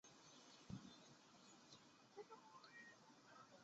她以精灵和娃娃脸般的外貌而知名。